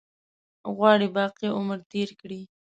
غواړي باقي عمر تېر کړي.